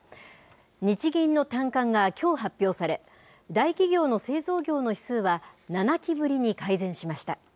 日銀の短観がきょう発表され、大企業の製造業の指数は、７期ぶりに改善しました。